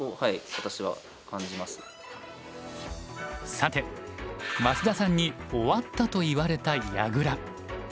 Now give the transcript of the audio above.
さて増田さんに終わったと言われた矢倉。